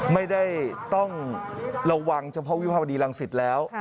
ไม่ได้ต้องระวังเฉพาะวิภาวดีรังสิตแล้ว